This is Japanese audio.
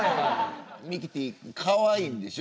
ミキティーかわいいんでしょ？